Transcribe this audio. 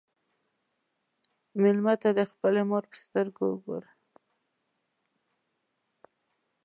مېلمه ته د خپلې مور په سترګو وګوره.